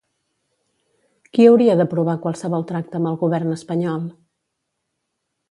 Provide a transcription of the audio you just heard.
Qui hauria d'aprovar qualsevol tracte amb el govern espanyol?